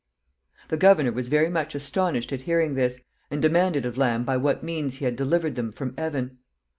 The governor was very much astonished at hearing this, and demanded of Lamb by what means he had delivered them from Evan.